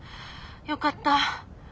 よかった。